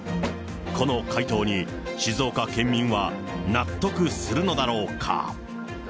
この回答に、静岡県民は納得するのだろうか。